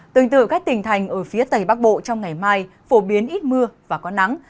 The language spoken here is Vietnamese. tương tự các tỉnh thành ở phía tây bắc bộ trong ngày mai phổ biến ít mưa và có nắng